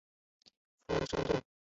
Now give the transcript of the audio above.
葵芳邨。